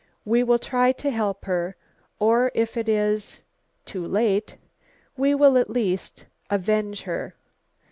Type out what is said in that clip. "We will try to help her, or if it is too late, we will at least avenge her.